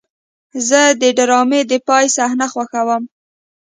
زه د ډرامې د پای صحنه خوښوم.